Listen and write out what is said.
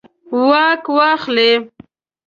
واک واخلي.